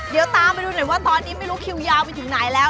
เดี๋ยวตามไปดูหน่อยว่าตอนนี้ไม่รู้คิวยาวไปถึงไหนแล้ว